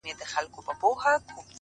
دا هواګانې هم ړندې وختې